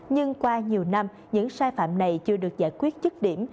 nhưng qua nhiều năm những sai phạm này chưa được giải quyết chức điểm